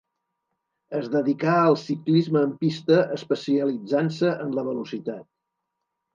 Es dedicà al ciclisme en pista, especialitzant-se en la Velocitat.